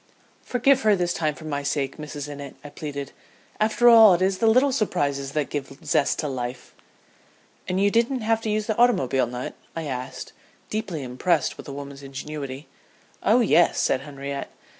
"'Forgive her this time for my sake, Mrs. Innitt,' I pleaded. 'After all it is the little surprises that give zest to life.'" "And you didn't have to use the automobile nut?" I asked, deeply impressed with the woman's ingenuity. "Oh yes," said Henriette.